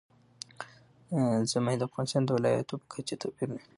ژمی د افغانستان د ولایاتو په کچه توپیر لري.